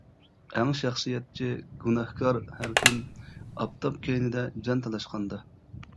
ئەڭ شەخسىيەتچى گۇناھكار ھەركىم ئاپتاپ كەينىدە جان تالاشقاندا.